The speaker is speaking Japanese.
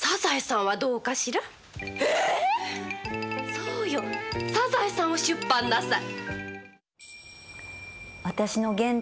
そうよ「サザエさん」を出版なさい。